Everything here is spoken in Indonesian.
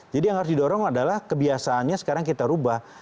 jadi yang harus didorong adalah kebiasaannya sekarang kita rubah